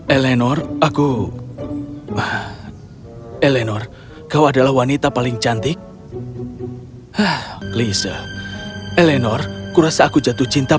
eleanor aku eleanor kau adalah wanita paling cantik lisa eleanor kurasa aku jatuh cinta